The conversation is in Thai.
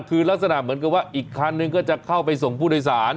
คือลักษณะมันก็หรืออีกคันนึงก็จะเข้าไปส่งผู้โดยศาล